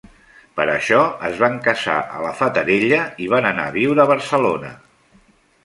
Per això es van casar a La Fatarella i van anar a viure a Barcelona.